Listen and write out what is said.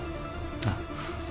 ああ。